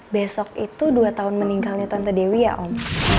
besok itu dua tahun meninggalnya tante dewi ya om